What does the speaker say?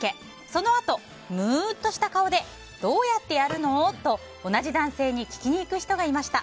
そのあとムーッとした顔でどうやってやるの？と同じ男性に聞きに行く人がいました。